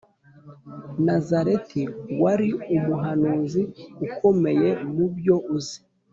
Nazareti wari umuhanuzi ukomeye mu byo uzi